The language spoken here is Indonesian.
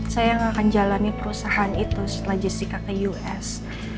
saya yang akan jalani perusahaan itu setelah jessica ke us